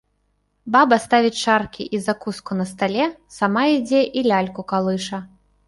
Баба ставіць чаркі і закуску на стале, сама ідзе і ляльку калыша.